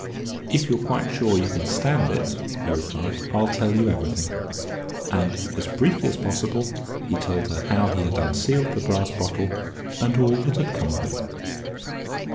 "If you're quite sure you can stand it," he replied, "I'll tell you everything." And, as briefly as possible, he told her how he had unsealed the brass bottle, and all that had come of it.